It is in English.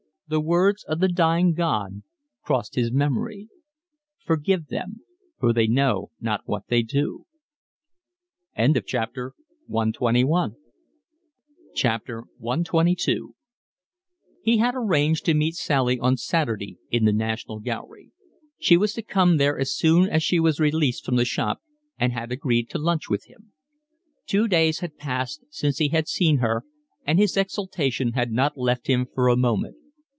The words of the dying God crossed his memory: Forgive them, for they know not what they do. CXXII He had arranged to meet Sally on Saturday in the National Gallery. She was to come there as soon as she was released from the shop and had agreed to lunch with him. Two days had passed since he had seen her, and his exultation had not left him for a moment.